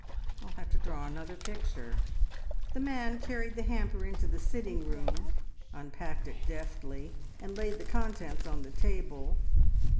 I'll have to draw another picture." The man carried the hamper into the sitting room, unpacked it deftly, and laid the contents on the table.